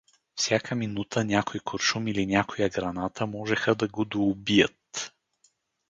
Всяка минута някой куршум или някоя граната можеха да го доубият.